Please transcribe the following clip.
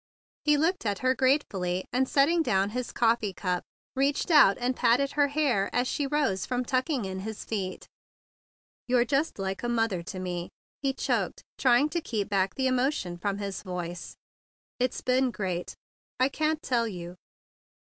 He looked at her gratefully, and, set¬ ting down his coffee cup, reached out and patted her hair as she rose from tucking up his feet. "You're just like a mother to me!" he choked, trying to keep back the emotion from his voice. "It's been great! I can't tell you!"